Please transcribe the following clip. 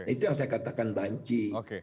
itu yang saya katakan banci